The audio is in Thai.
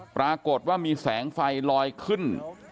ปรากฏว่ามีแสงไฟลอยขึ้น